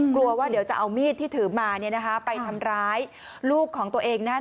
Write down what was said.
กลัวว่าเดี๋ยวจะเอามีดที่ถือมานะไปทำร้ายลูกของตนเองนั่น